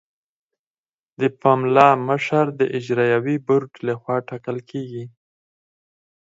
د پملا مشر د اجرایوي بورډ لخوا ټاکل کیږي.